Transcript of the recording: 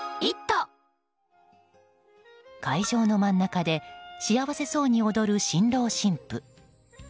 会場の真ん中で幸せそうに踊る新郎・新婦。